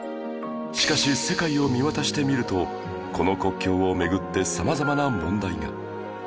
しかし世界を見渡してみるとこの国境を巡ってさまざまな問題が